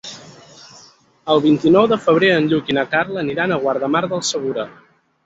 El vint-i-nou de febrer en Lluc i na Carla aniran a Guardamar del Segura.